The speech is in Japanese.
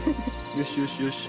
よしよしよし。